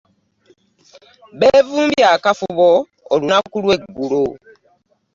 Beevumbye akafubo olunaku lw'eggulo.